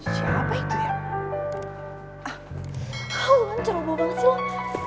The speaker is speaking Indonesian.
kau lancar oboh banget sih wang